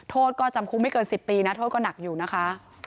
โทษก็จำคุกไม่เกิน๑๐ปีนะโทษก็หนักอยู่นะคะ